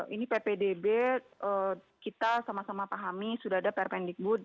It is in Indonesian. ini ppdb kita sama sama pahami sudah ada permendingbud empat puluh empat dua ribu sembilan belas